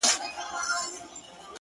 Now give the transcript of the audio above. دعا ـ دعا ـدعا ـ دعا كومه ـ